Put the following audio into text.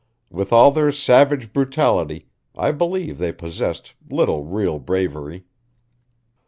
With all their savage brutality I believe they possessed little real bravery.